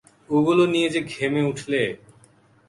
ওগুলো নিয়ে যে ঘেমে উঠলে!